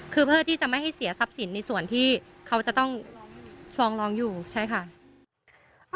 คือเพื่อที่จะไม่ให้เสียทรัพย์สินในส่วนที่เขาจะต้องฟองร้องอยู่ใช่ค่ะ